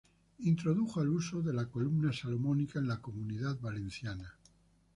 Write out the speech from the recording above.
Introdujo el uso de la columna salomónica en la Comunidad Valenciana.